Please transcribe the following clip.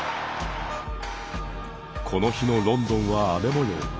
この日のロンドンは雨もよう。